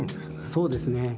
そうですね。